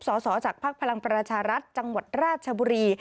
สสจากภักดิ์พลังประชารัฐจังหวัดราชบุรี